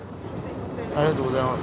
ありがとうございます。